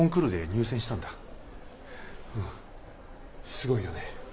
すごいよね。